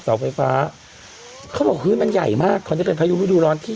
เสาไฟฟ้าเขาบอกเฮ้ยมันใหญ่มากคราวนี้เป็นพายุฤดูร้อนที่